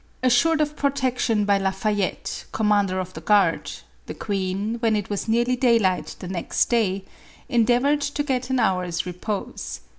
Assured of protection by La Fayette, com mander of the Guard, the queen, when it was nearly daylight the next day, endeavored to get an hour's re pose.